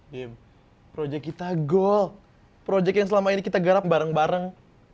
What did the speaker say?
dim project kita gold project yang selama ini kita garap bareng bareng